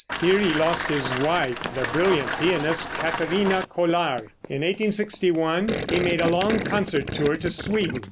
Here he lost his wife, the brilliant pianist Katharina Kolar. In 1861 he made a long concert tour to Sweden.